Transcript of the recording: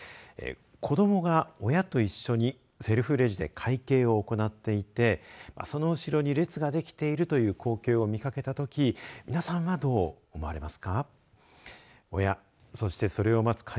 子どもが親と一緒にセルフレジで会計を行っていて、その後ろに列ができているという光景を見かけたとき皆さんはどう思われますか。